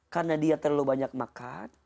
karena dia terlalu banyak makan